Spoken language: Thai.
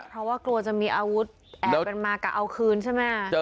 เพราะว่ากลัวจะมีอาวุธแอบกันมากะเอาคืนใช่ไหม